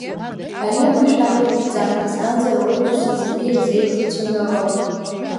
Ари омашәа ибатәӡам, избанзар ауаҩытәиса зегьы ирзеиԥшу цәанырроуп.